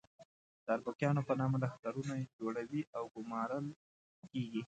د اربکیانو په نامه لښکرونه جوړوي او ګومارل کېږي.